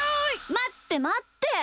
まってまって。